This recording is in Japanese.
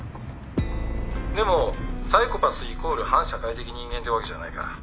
でもサイコパスイコール反社会的人間ってわけじゃないから。